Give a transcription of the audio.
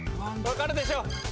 分かるでしょ。